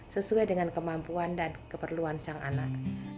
sesuai dengan kemampuan dan keperluan sang anak